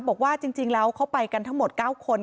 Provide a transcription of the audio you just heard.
บอกว่าจริงแล้วเขาไปกันทั้งหมด๙คน